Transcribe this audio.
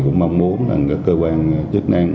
cũng mong muốn các cơ quan chức năng